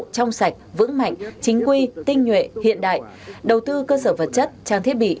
trong sạch vững mạnh chính quy tinh nhuệ hiện đại đầu tư cơ sở vật chất trang thiết bị